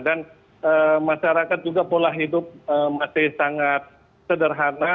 dan masyarakat juga pola hidup masih sangat sederhana